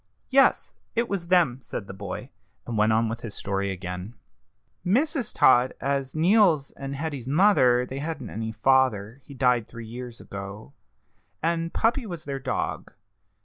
"Yes, it was them," said the boy, and went on with his story again: "Mrs. Todd was Neal's and Hetty's mother they hadn't any father; he died three years ago and Puppy was their dog.